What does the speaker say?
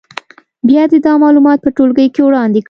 بیا دې دا معلومات په ټولګي کې وړاندې کړي.